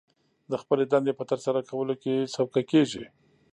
د خپلې دندې په ترسره کولو کې سوکه کېږي